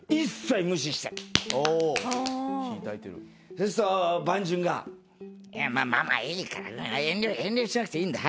そうすると伴淳が「まあまあいいから」「遠慮しなくていいんだ。